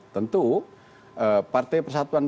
tentu partai persatuan